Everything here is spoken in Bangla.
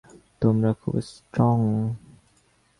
তোমরা খুব স্ট্রং।